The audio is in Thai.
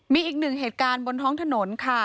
มีอีกหนึ่งเหตุการณ์บนท้องถนนค่ะ